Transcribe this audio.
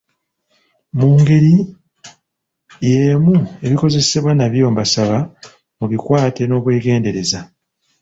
Mu ngeri y'emu ebikozesebwa nabyo mbasaba mubikwate n'obwegendereza.